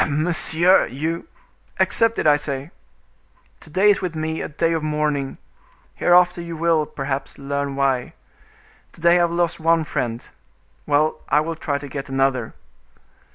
"Monsieur! you—" "Accept it, I say. To day is with me a day of mourning; hereafter you will, perhaps, learn why; to day I have lost one friend; well, I will try to get another."